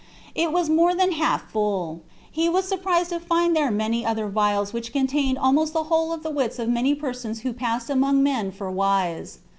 It was more than half full. He was surprised to find there many other vials which contained almost the whole of the wits of many persons who passed among men for wise.